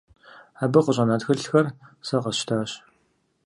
Абы къыщӀэна тхылъхэр сэ къэсщтащ.